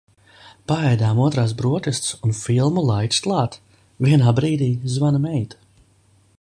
Paēdām otrās brokastis un filmu laiks klāt. Vienā brīdī zvana meita.